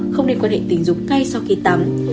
sáu không liên quan hệ tình dục ngay sau khi tắm